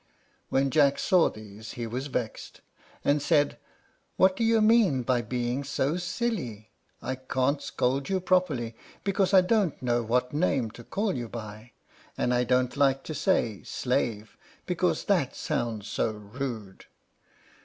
When Jack saw these he was vexed, and said, "What do you mean by being so silly? I can't scold you properly, because I don't know what name to call you by, and I don't like to say 'Slave,' because that sounds so rude.